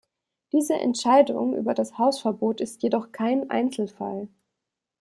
Diese Entscheidung über das Hausverbot ist jedoch kein Einzelfall.